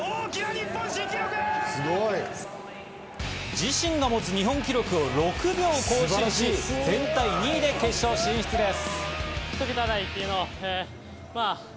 自身が持つ日本記録を６秒更新し、全体２位で決勝進出です。